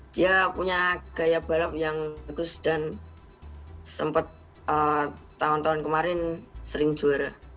dia punya gaya balap yang bagus dan sempat tahun tahun kemarin sering juara